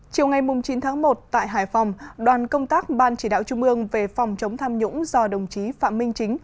chiều ngày chín tháng một tại hải phòng đoàn công tác ban chỉ đạo trung ương về phòng chống tham nhũng do đồng chí phạm minh chính